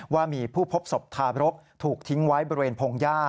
ว่ามีผู้พบศพทาบรกถูกทิ้งไว้บริเวณพงหญ้า